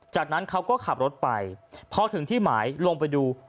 จากนั้นเขาก็ขับรถไปพอถึงที่หมายลงไปดู